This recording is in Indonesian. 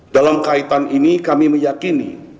dalam kaitan ini kami meyakini